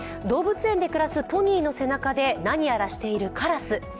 動物園で暮らすポニーの背中で、何やらしているカラス。